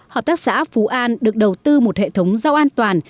hợp tác xã phú an được đầu tư một hệ thống rau an toàn